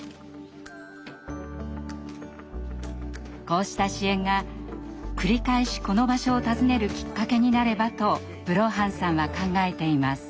こうした支援が繰り返しこの場所を訪ねるきっかけになればとブローハンさんは考えています。